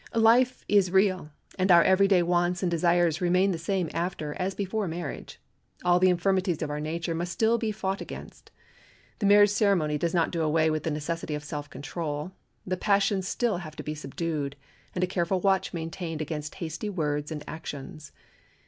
Life is real, and our every day wants and desires remain the same after as before marriage. All the infirmities of our nature must still be fought against. The marriage ceremony does not do away with the necessity of self control; the passions still have to be subdued, and a careful watch maintained against hasty words and actions.